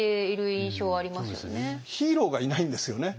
ヒーローがいないんですよね。